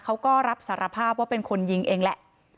เขาก็รับสารภาพว่าเป็นคนยิงเองแหละ